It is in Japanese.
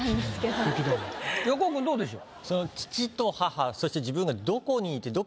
横尾君どうでしょう？